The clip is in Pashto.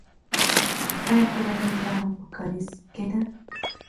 آیا کورنۍ یې لا هم په کارېز کې ده؟